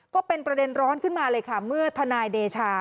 ก็เป็นประเด็นร้อนขึ้นมาเลยค่ะเมื่อทนายเดชา